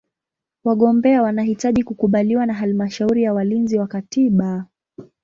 Wagombea wanahitaji kukubaliwa na Halmashauri ya Walinzi wa Katiba.